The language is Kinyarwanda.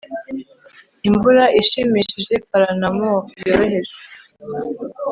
imvura ishimishije paramour yoroheje